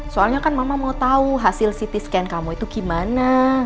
soalnya kan mama mau tahu hasil ct scan kamu itu gimana